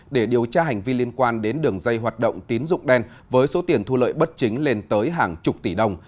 để điều tra hành vi liên quan đến đường dây hoạt động tín dụng đen với số tiền thu lợi bất chính lên tới hàng chục tỷ đồng